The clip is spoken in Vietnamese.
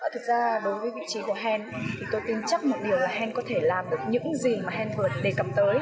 thực ra đối với vị trí của hèn thì tôi tin chắc một điều là hen có thể làm được những gì mà hèn vừa đề cập tới